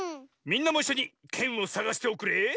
みんなもいっしょにけんをさがしておくれ。